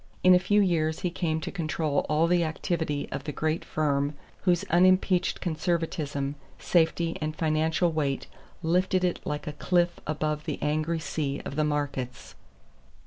In a few years he came to control all the activity of the great firm whose unimpeached conservatism, safety and financial weight lifted it like a cliff above the angry sea of the markets.